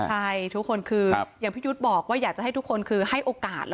ใช่ทุกคนคืออย่างพี่ยุทธ์บอกว่าอยากจะให้ทุกคนคือให้โอกาส